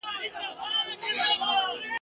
د نر هلک ژړا په زانګو کي معلومېږي ..